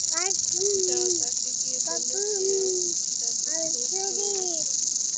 যাও তাকে গিয়ে বলে দেও তুমি তাকে খুব ভালোবাসো।